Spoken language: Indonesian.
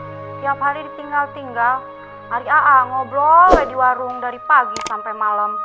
setiap hari ditinggal tinggal hari aa ngobrol di warung dari pagi sampai malam